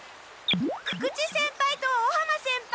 久々知先輩と尾浜先輩！